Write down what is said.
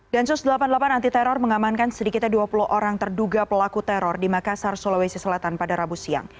dan sos delapan puluh delapan anti teror mengamankan sedikitnya dua puluh orang terduga pelaku teror di makassar sulawesi selatan pada rabu siang